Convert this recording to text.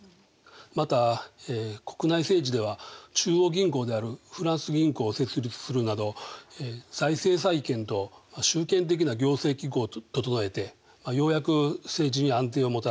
また国内政治では中央銀行であるフランス銀行を設立するなど財政再建と集権的な行政機構を整えてようやく政治に安定をもたらしていったんです。